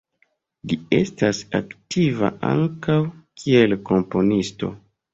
Li estas aktiva ankaŭ, kiel komponisto.